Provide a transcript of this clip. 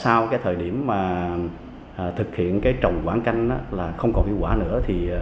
sau thời điểm thực hiện trồng bán canh không còn hiệu quả nữa